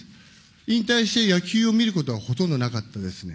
引退して野球を見ることはほとんどなかったですね。